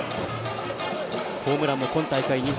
ホームランも今大会２本。